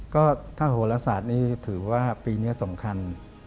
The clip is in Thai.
ก็ถ้าโหลศาสตร์นี่ถือว่าปีนี้สำคัญ